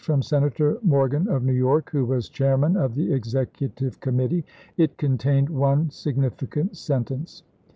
from Senator Morgan of New York, who was June7,i864. chairman of the executive committee. It con tained one significant sentence.